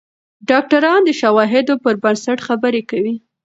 ډاکتران د شواهدو پر بنسټ خبرې کوي.